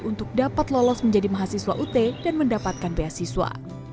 untuk dapat lolos menjadi mahasiswa ut dan mendapatkan beasiswa